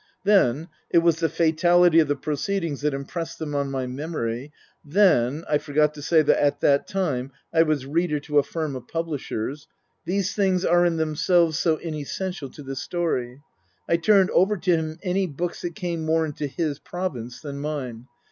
Then it was the fatality of the proceedings that impressed them on my memory then (I forgot to say that at that time I was reader to a firm of publishers ; these things are in themselves so inessential to this story) I turned over to him any books that came more into his province than mine.